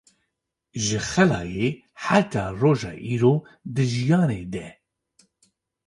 Ji xelayê heta roja îro di jiyanê de